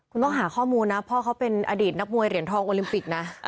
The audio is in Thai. คุณต้องหาข้อมูลนะพ่อเขาเป็นอดีตนักมวยเหรียญทองโอลิมปิกนะ